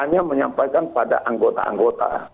hanya menyampaikan pada anggota anggota